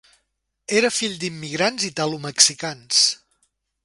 Era fill d'immigrants italomexicans.